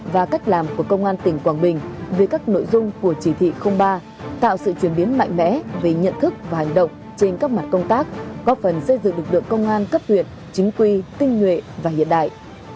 và cách làm của công an tỉnh quảng bình về các nội dung của chỉ thị ba tạo sự chuyển biến mạnh mẽ về nhận thức và hành động trên các mặt công tác góp phần xây dựng lực lượng công an cấp huyện chính quy tinh nhuệ và hiện đại